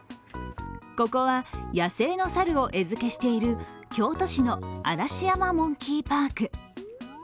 ここは野生の猿を餌付けしている京都市の嵐山モンキーパーク。